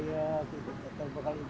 jadi jadi kayak ngeriuk gitu